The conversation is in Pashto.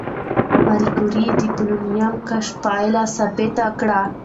ماري کوري د پولونیم کشف پایله ثبت کړه.